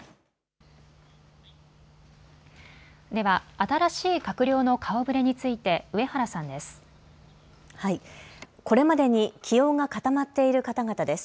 では、新しい閣僚の顔ぶれについて上原さんです。